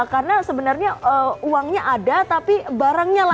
karena sebenarnya uangnya ada tapi barangnya langka ya